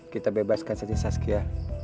kita bebaskan saja saskia